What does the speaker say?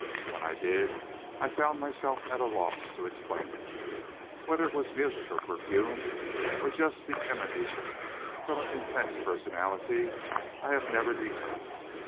When I did, I found myself at a loss to explain it. Whether it was music or perfume, or just the emanation from an intense personality, I have never determined.